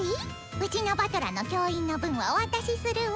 うちの師団の教員の分はお渡しするわ。